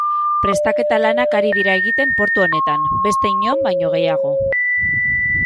Prestaketa lanak ari dira egiten portu honetan, beste inon baino gehiago.